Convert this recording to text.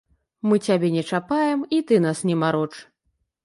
Мы цябе не чапаем, і ты нас не мароч.